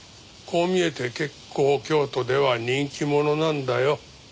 こう見えて結構京都では人気者なんだよ。